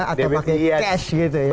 atau pakai cash gitu ya